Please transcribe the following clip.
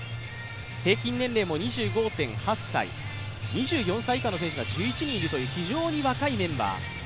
平均年齢も２５．８歳、２４歳以下の選手が１１人いるという非常に若いメンバー。